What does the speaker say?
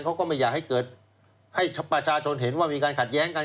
ก็ไม่อยากให้เกิดให้ประชาชนเห็นว่ามีการขัดแย้งกัน